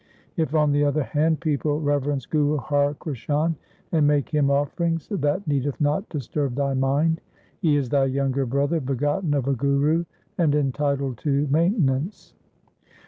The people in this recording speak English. If, on the other hand, people reverence Guru Har Krishan and make him offerings, that needeth not disturb thy mind. He is thy younger brother begotten of a Guru and entitled to mainte nance.'